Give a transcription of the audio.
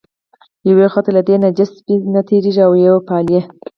یو خو ته له دې نجس سپي نه تېرېږې او یې پالې.